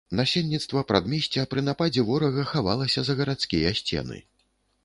Насельніцтва прадмесця пры нападзе ворага хавалася за гарадскія сцены.